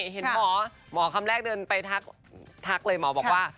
เห็นหมอหมอคำแรกเดินไปทักเลยหมอบอกว่า